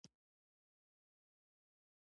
آب وهوا د افغانستان د طبیعي زیرمو برخه ده.